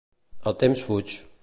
El temps fuig.